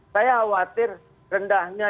saya khawatir rendahnya